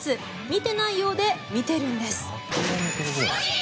見てないようで見てるんです。